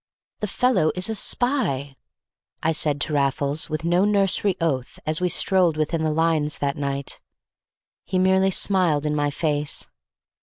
"The fellow is a spy!" I said to Raffles, with no nursery oath, as we strolled within the lines that night. He merely smiled in my face.